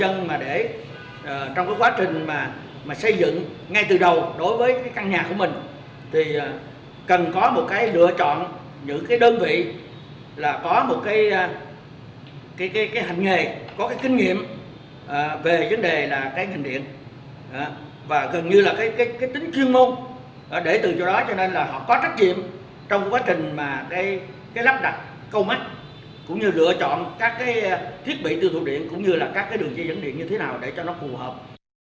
những cái đơn vị là có một cái hành nghề có cái kinh nghiệm về vấn đề là cái hành điện và gần như là cái tính chuyên môn để từ chỗ đó cho nên là họ có trách nhiệm trong quá trình mà cái lắp đặt câu mắt cũng như lựa chọn các cái thiết bị từ thủ điện cũng như là các cái đường dây dẫn điện như thế nào để cho nó phù hợp